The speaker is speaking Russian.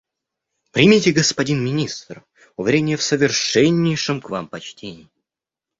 «Примите, господин министр, уверение в совершеннейшем к Вам почтении».